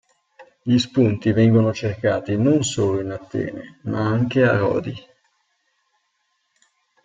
Gli spunti vengono cercati non solo in Atene, ma anche a Rodi.